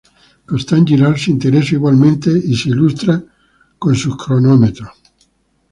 Constant Girard se interesa igualmente y se ilustra por sus cronómetros.